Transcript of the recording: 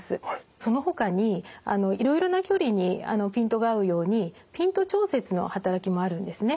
そのほかにいろいろな距離にピントが合うようにピント調節の働きもあるんですね。